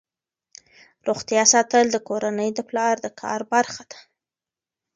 روغتیا ساتل د کورنۍ د پلار د کار برخه ده.